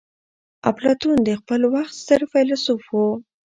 اپلاتون د خپل وخت ستر فيلسوف وو.